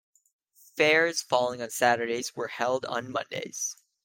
Fairs falling on Saturdays were held on Mondays.